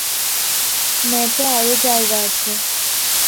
ম্যাপে আরো জায়গা আছে।